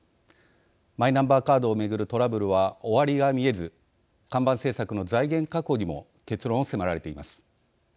マイナンバーカードを巡るトラブルは終わりが見えず看板政策の財源確保にも結論を迫られています。